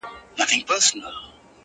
ناپای دردونه دي پر لار ورسره مل زه یم _